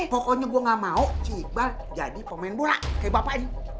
pokoknya gue gak mau cuba jadi pemain bola kayak bapak ini